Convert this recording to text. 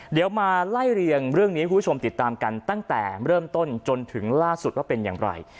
เดี๋ยวมาไล่เรียงเรื่องนี้ให้คุณผู้ชมติดตามกันตั้งแต่เริ่มต้นจนถึงล่าสุดว่าเป็นอย่างไร